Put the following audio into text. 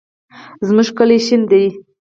زمونږ کلی شین دی